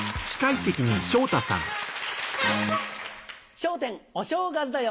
『笑点お正月だよ！』